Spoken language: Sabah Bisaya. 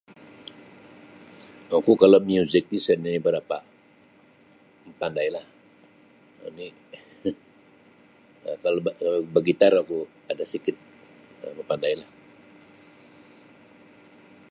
Oku kalau miuzik ti sa nini barapa mapandailah oni um kalau bagitar oku ada sikit mapandailah.